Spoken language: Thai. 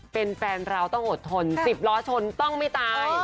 เป็นแฟนเราต้องอดทน๑๐ล้อชนต้องไม่ตาย